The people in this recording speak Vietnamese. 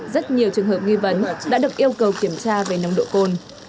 rất nhiều trường hợp nghi vấn đã được yêu cầu kiểm tra về nồng độ cồn